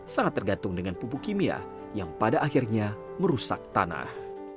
sangat tergantung dengan pupuk kimia yang pada akhirnya merusak tanah